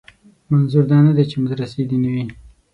منظور دا نه دی چې مدرسې دې نه وي.